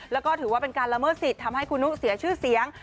แล้วก็ถือว่าเป็นการละเมิดสิทธิ์ทำให้คุณนุเสียชื่อเสียง